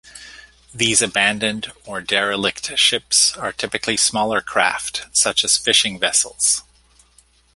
These abandoned, or derelict ships are typically smaller craft, such as fishing vessels.